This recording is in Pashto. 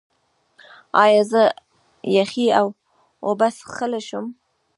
ایا زه یخې اوبه څښلی شم؟